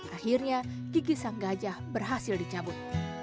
akhirnya gigi sang gajah berhasil dicabut